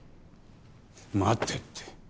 待てって。